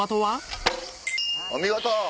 お見事！